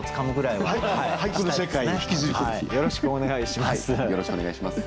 よろしくお願いします。